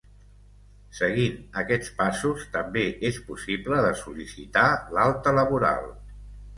Seguint aquests passos també és possible de sol·licitar l’alta laboral.